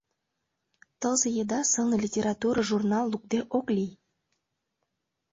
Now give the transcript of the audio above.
Тылзе еда сылне литература журнал лукде ок лий.